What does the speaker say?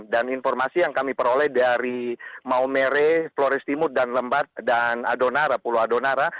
dan informasi yang kami peroleh dari maumere flores timur dan lembat dan adonara pulau adonara